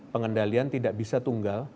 pengendalian tidak bisa tunggal